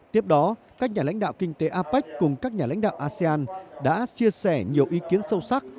tiếp đó các nhà lãnh đạo kinh tế apec cùng các nhà lãnh đạo asean đã chia sẻ nhiều ý kiến sâu sắc